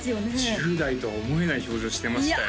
１０代とは思えない表情してましたよ